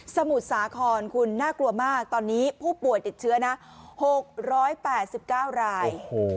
มุทรสาครคุณน่ากลัวมากตอนนี้ผู้ป่วยติดเชื้อนะ๖๘๙ราย